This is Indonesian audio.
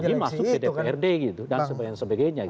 lagi lagi masuk ke dprd gitu dan sebagainya